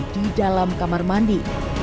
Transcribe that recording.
di dalam kamar mandi